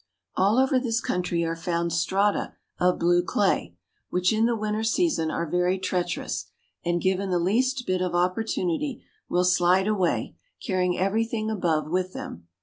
All over this country are found strata of blue clay, which in the winter season are very treacherous, and, given the least bit of opportunity will slide away, carrying everything above with them.